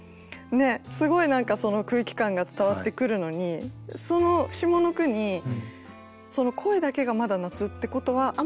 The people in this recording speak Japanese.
すごい何かその空気感が伝わってくるのにその下の句に「声だけがまだ夏」ってことはあっ